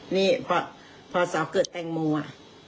นี่พอสาวเกิดแตงโมอ่ะ